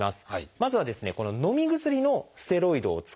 まずはですねのみ薬のステロイドを使います。